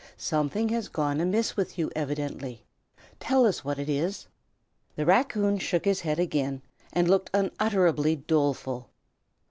"Something has gone amiss with you, evidently. Tell us what it is." The raccoon shook his head again, and looked unutterably doleful.